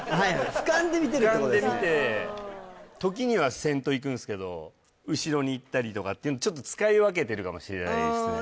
ふかんで見て時には先頭いくんすけど後ろに行ったりとかってちょっと使い分けてるかもしれないですね